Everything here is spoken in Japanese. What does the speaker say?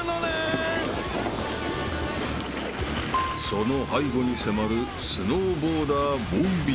［その背後に迫るスノーボーダーボンビー］